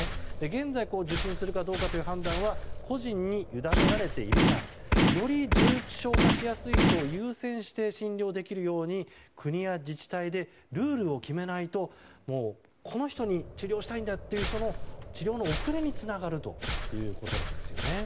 現在、受診するかどうかという判断は個人に委ねられているがより重症化しやすい人を優先して診療できるように国や自治体でルールを決めないとこの人に治療したいんだという人の治療の遅れにつながるということなんですよね。